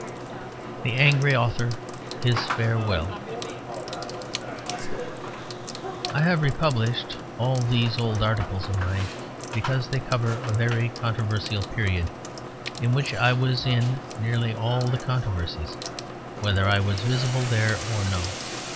THE ANGRY AUTHOR: HIS FAREWELL I have republished all these old articles of mine because they cover a very controversial period, in which I was in nearly all the controversies, whether I was visible there or no.